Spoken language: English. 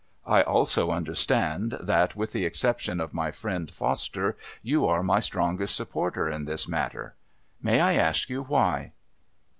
I also understand that, with the exception of my friend Foster, you are my strongest supporter in this matter. May I ask you why?"